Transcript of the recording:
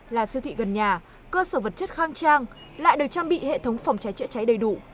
là siêu thị gần nhà cơ sở vật chất khang trang lại được trang bị hệ thống phòng cháy chữa cháy đầy đủ